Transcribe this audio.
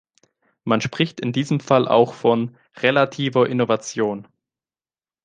Man spricht in diesem Fall auch von „relativer Innovation“.